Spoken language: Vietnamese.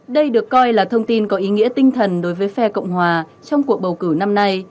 đây được coi là thông tin có ý nghĩa tinh thần đối với phe cộng hòa trong cuộc bầu cử năm nay